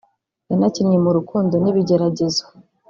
yanakinnye mu « rukundo n’ibigeragezo »